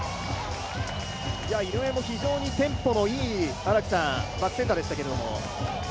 井上も非常にテンポのいいバックセンターでしたけど。